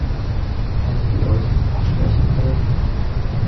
Hättet ihr euch nicht absprechen können?